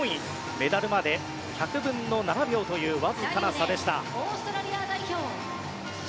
メダルまで１００分の７秒というわずかな差でした。